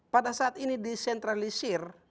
pada saat ini desentralisir